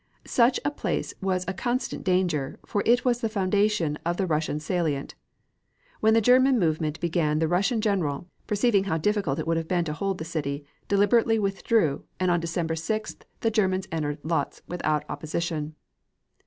Such a place was a constant danger, for it was the foundation of a Russian salient. When the German movement began the Russian general, perceiving how difficult it would have been to hold the city, deliberately withdrew, and on December 6th the Germans entered Lodz without opposition.